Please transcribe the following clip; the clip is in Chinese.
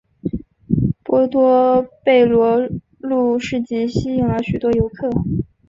波多贝罗路市集吸引了许多游客。